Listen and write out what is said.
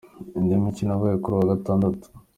Indi mikino yabaye kuri uyu wa Gatandatu.